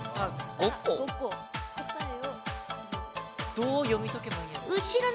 どう読み解けばいいんやろう？